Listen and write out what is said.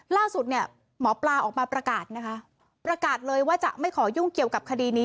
ล่าสุดเนี่ยหมอปลาออกมาประกาศนะคะประกาศเลยว่าจะไม่ขอยุ่งเกี่ยวกับคดีนี้